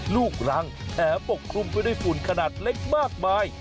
ลูกรังแถมปกคลุมไปด้วยฝุ่นขนาดเล็กมากมาย